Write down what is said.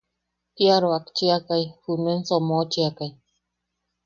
Kia roʼaktchiakai nuen somochiakai.